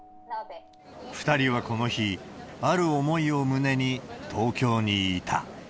２人はこの日、ある思いを胸に東京にいた。